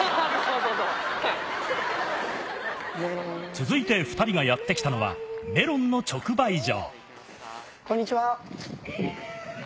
続いて２人がやってきたのはメロンの直売所。